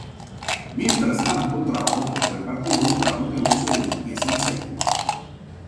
Mientras tanto trabajó como repartidor para un negocio de limpieza en seco.